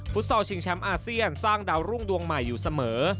ซอลชิงแชมป์อาเซียนสร้างดาวรุ่งดวงใหม่อยู่เสมอ